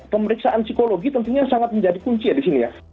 pemeriksaan psikologi tentunya sangat menjadi kunci disini ya